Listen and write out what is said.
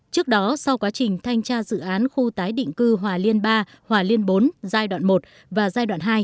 trước đó sau quá trình thanh tra dự án khu tái định cư hòa liên ba hòa liên bốn giai đoạn một và giai đoạn hai